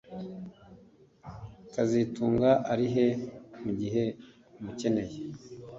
kazitunga ari he mugihe umukeneye